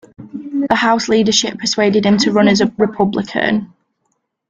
The House leadership persuaded him to run as a Republican.